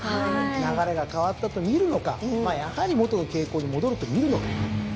流れが変わったと見るのかやはり元の傾向に戻ると見るのか。